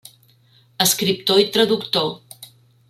Escriptor i traductor.